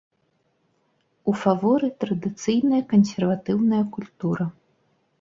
У фаворы традыцыйная кансерватыўная культура.